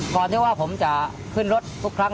ก่อนที่ว่าผมจะขึ้นรถทุกครั้ง